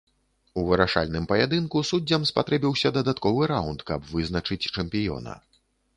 У вырашальным паядынку суддзям спатрэбіўся дадатковы раўнд, каб вызначыць чэмпіёна.